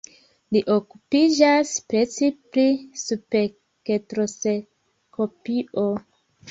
Li okupiĝas precipe pri spektroskopio.